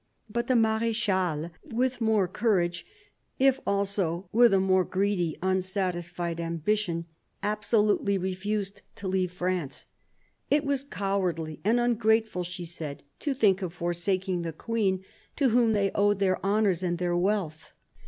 But the Marechale, with more courage, if also with a more greedy, unsatisfied ambition, absolutely refused to leave France. It was cowardly and ungrateful, she said, to think of forsaking the Queen, to whom they owed their honours and their wealth.